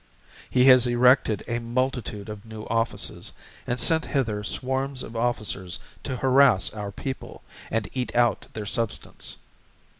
He has erected a multitude of New Offices, and sent hither swarms of Officers to harass our People, and eat out their substance.